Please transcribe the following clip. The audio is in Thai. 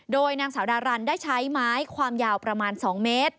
โดยนางสาวดารันได้ใช้ไม้ความยาวประมาณ๒เมตร